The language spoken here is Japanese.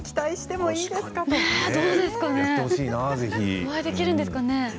お会いできるんですかね。